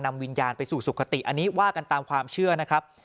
วิญญาณไปสู่สุขติอันนี้ว่ากันตามความเชื่อนะครับ